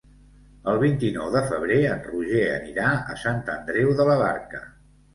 El vint-i-nou de febrer en Roger anirà a Sant Andreu de la Barca.